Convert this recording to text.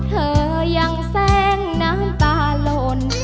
เธอยังแสงน้ำตาหล่น